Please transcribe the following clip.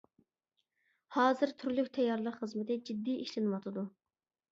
ھازىر تۈرلۈك تەييارلىق خىزمىتى جىددىي ئىشلىنىۋاتىدۇ.